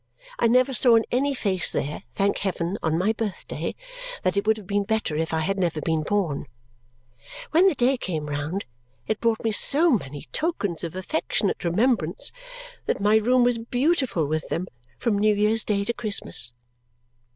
I never saw in any face there, thank heaven, on my birthday, that it would have been better if I had never been born. When the day came round, it brought me so many tokens of affectionate remembrance that my room was beautiful with them from New Year's Day to Christmas.